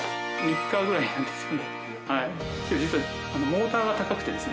実はモーターが高くてですね